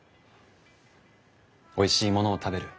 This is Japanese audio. おいしいものを食べる。